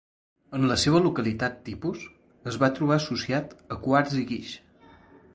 En la seva localitat tipus es va trobar associat a quars i guix.